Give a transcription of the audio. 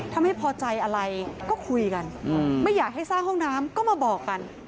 ถ้าไม่พอใจอะไรก็คุยกันไม่อยากให้สร้างห้องน้ำก็มาบอกกัน